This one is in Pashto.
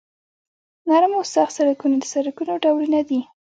نرم او سخت سرکونه د سرکونو ډولونه دي